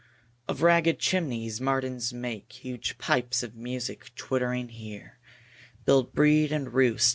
3. Of ragged chimneys martins make Huge pipes of music; twittering here Build, breed, and roost.